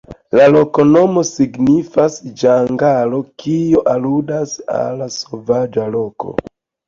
La loknomo signifas: ĝangalo, kio aludas al sovaĝa loko.